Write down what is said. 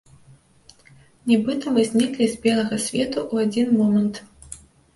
Нібыта мы зніклі з белага свету ў адзін момант!